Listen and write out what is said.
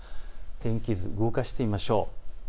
天気図を動かしてみましょう。